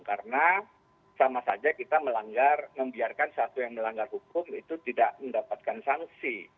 karena sama saja kita melanggar membiarkan satu yang melanggar hukum itu tidak mendapatkan sanksi